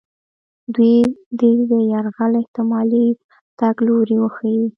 دوی دې د یرغل احتمالي تګ لوري وښیي.